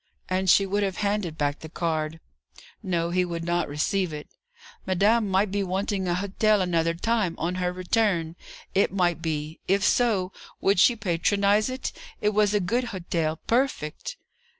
And she would have handed back the card. No, he would not receive it. "Madame might be wanting an hot el at another time; on her return, it might be. If so, would she patronize it? it was a good hot el; perfect!"